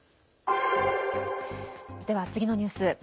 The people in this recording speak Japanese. では、次のニュース。